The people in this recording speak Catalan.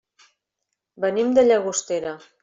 Venim de Llagostera.